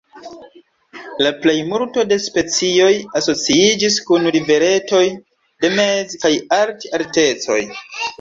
La plejmulto da specioj asociiĝis kun riveretoj de mez- kaj alt-altecoj.